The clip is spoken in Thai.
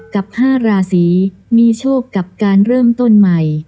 กับ๕ราศีมีโชคกับการเริ่มต้นใหม่